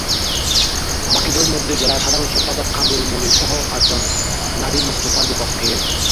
বাকিদের মধ্যে জেলার সাধারণ সম্পাদক কামরুল মনিরসহ পাঁচজন নাদিম মোস্তফার বিপক্ষের।